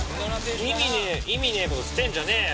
意味ねえことしてんじゃねえよ。